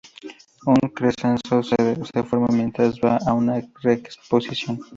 Un "crescendo" se forma mientras va a una reexposición.